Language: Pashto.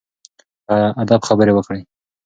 په ادب خبرې وکړئ.